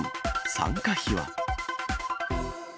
参加費は。